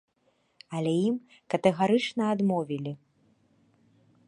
Але ім катэгарычна адмовілі.